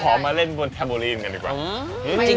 มาเล่นบนแคโบรีนกันดีกว่า